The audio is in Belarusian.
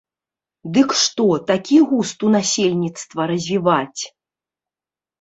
Дык што, такі густ у насельніцтва развіваць?